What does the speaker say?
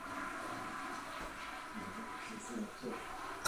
Rozměry se blížila Železné panně nebo Rabenštejnské věži.